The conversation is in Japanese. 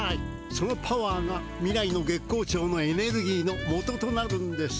そのパワーが未来の月光町のエネルギーのもととなるんです。